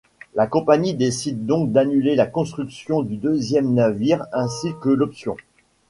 La compagnie décide donc d'annuler la construction du deuxième navire ainsi que l'option.